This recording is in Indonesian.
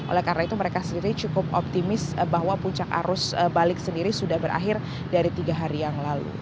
oleh karena itu mereka sendiri cukup optimis bahwa puncak arus balik sendiri sudah berakhir dari tiga hari yang lalu